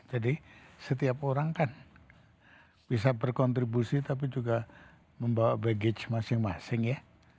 jadi setiap orang kan bisa berkontribusi tapi juga membawa baggage masing masing ya